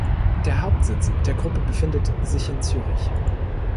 Der Hauptsitz der Gruppe befindet sich in Zürich.